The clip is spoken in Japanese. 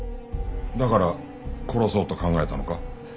だから殺そうと考えたのか？